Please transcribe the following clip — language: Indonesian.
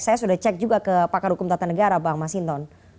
saya sudah cek juga ke pakar hukum tata negara bang masinton